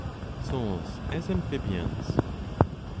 SOULS AS AMPHIBIANS.